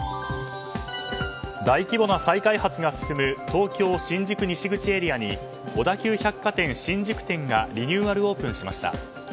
大規模な再開発が進む東京・新宿西口エリアに小田急百貨店新宿店がリニューアルオープンしました。